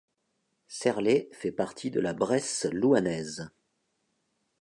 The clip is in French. Serley fait partie de la Bresse louhannaise.